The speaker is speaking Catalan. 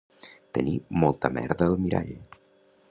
Tenir molta merda al mirall